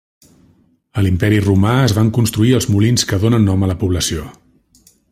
A l'imperi romà es van construir els molins que donen nom a la població.